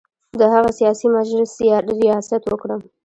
د هغه سیاسي مجلس ریاست وکړم.